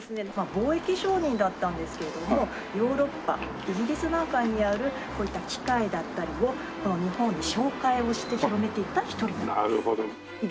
貿易商人だったんですけれどもヨーロッパイギリスなんかにあるこういった機械だったりを日本に紹介をして広めていった１人なんです。